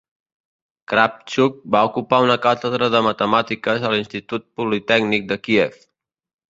Kravchuk va ocupar una càtedra de matemàtiques a l'Institut Politècnic de Kíev.